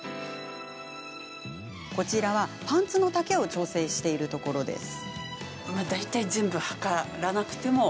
こちらはパンツの丈を調整しているところです。